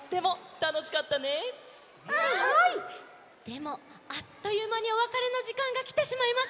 でもあっというまにおわかれのじかんがきてしまいました。